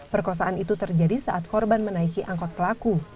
perkosaan itu terjadi saat korban menaiki angkot pelaku